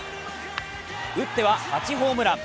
打っては８ホームラン。